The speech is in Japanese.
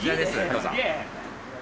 どうぞ。